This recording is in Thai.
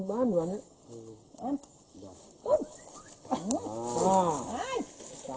เหลืองเท้าอย่างนั้น